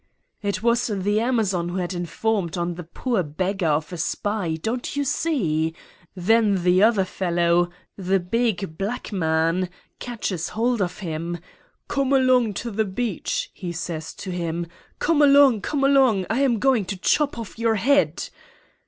"It was the Amazon who had informed on the poor beggar of a spy, don't you see? Then the other fellow, the big black man, catches hold of him. 'Come along to the beach,' he says to him. 'Come along, come along; I am going to chop off your head!